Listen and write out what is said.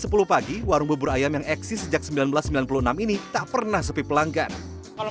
sepuluh pagi warung bubur ayam yang eksis sejak seribu sembilan ratus sembilan puluh enam ini tak pernah sepi pelanggan kalau